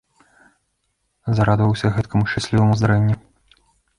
Зарадаваўся гэткаму шчасліваму здарэнню.